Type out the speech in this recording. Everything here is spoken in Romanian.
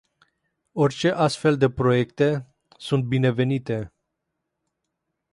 Orice astfel de proiecte sunt binevenite.